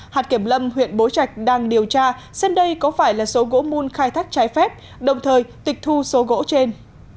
hạt kiểm lâm huyện bố trạch đang điều tra xem đây có phải là số gỗ mùn khai thác trái phép đồng thời tịch thu số gỗ trên